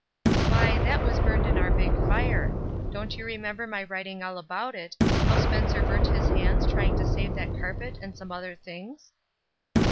''Why, that was burned in our big fire. Don't you remember my writing all about it — how Spencer burnt his hands trying to save that carpet and some other things?"